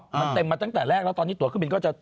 มันเต็มมาตั้งแต่แรกแล้วตอนนี้ตัวเครื่องบินก็จะ